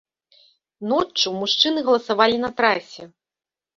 Ноччу мужчыны галасавалі на трасе.